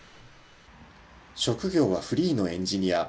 職業はフリーのエンジニア。